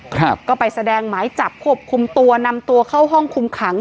ครับก็ไปแสดงหมายจับควบคุมตัวนำตัวเข้าห้องคุมขัง